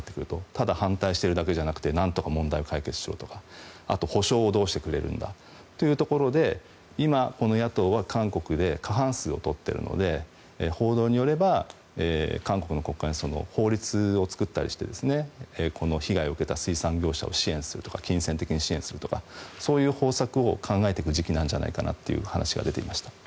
ただ反対しているだけじゃなくてなんとか問題を解決しろとかあと、補償をどうしてくれるんだというところで今、この野党は韓国で過半数を取っているので報道によれば韓国の国会で法律を作ったりしてこの被害を受けた水産業者を支援するとか金銭的に支援するとかそういう方策を考えていく時期なんじゃないかという話が出ていました。